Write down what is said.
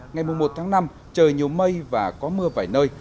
ngày một mươi một tháng năm trời nhiều mây và có mưa vài nơi